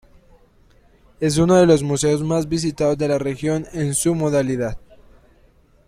Es uno de los museos más visitados de la región en su modalidad.